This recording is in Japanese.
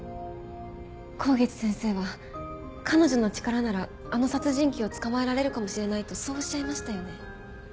香月先生は彼女の力ならあの殺人鬼を捕まえられるかもしれないとそうおっしゃいましたよね？